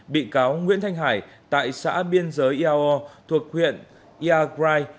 bị cáo nguyễn thanh hải tại xã biên giới eao thuộc huyện eagrai